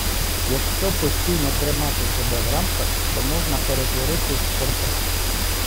Якщо постійно тримати себе в рамках, то можна перетворитись в портрет!